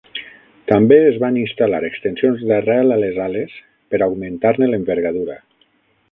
També es van instal·lar extensions d'arrel a les ales per augmentar-ne l'envergadura.